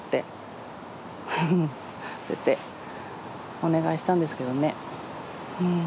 そうやってお願いしたんですけどねうん。